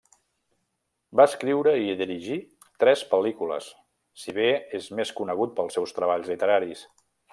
Va escriure i dirigir tres pel·lícules, si bé és més conegut pels seus treballs literaris.